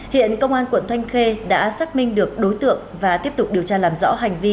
hiện công an quận thanh khê đã xác minh được đối tượng và tiếp tục điều tra làm rõ hành vi